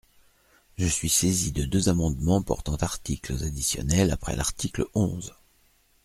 Je suis saisi de deux amendements portant articles additionnels après l’article onze.